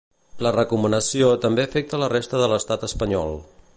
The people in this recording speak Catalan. La recomanació també afecta la resta de l’estat espanyol.